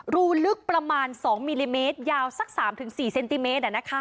รูลึกประมาณ๒มิลลิเมตรยาวสัก๓๔เซนติเมตร